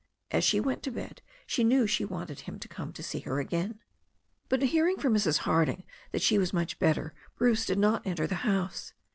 As she went to bed she knew she wanted him to come to see her again. But, hearing from Mrs. Harding that she was much bet ter, Bruce did not enter the house.